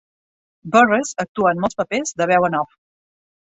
Burress actua en molts papers de veu en off.